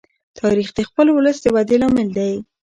تاریخ د خپل ولس د ودې لامل دی.